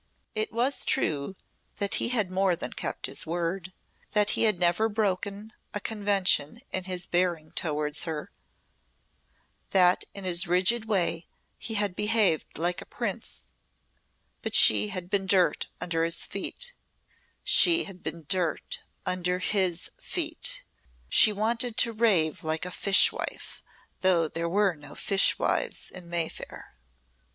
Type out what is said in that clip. It was true that he had more than kept his word that he had never broken a convention in his bearing towards her that in his rigid way he had behaved like a prince but she had been dirt under his feet she had been dirt under his feet! She wanted to rave like a fishwife though there were no fishwives in Mayfair.